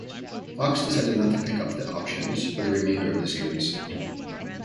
Fox decided not to pick up the options for the remainder of the series.